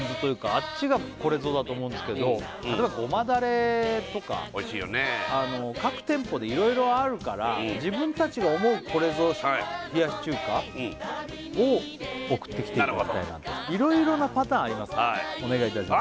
あっちがこれぞだと思うんですけどおいしいよね各店舗でいろいろあるから自分たちが思うこれぞ冷やし中華を送ってきていただきたいなといろいろなパターンありますからお願いいたします